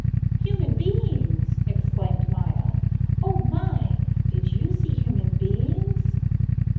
"Human beings!" exclaimed Maya. "Oh my, did you see human beings?"